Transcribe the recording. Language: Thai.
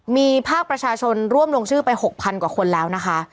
มีภาคประชาชนร่วมลงชื่อไป๖๐๐กว่าคนแล้วนะคะ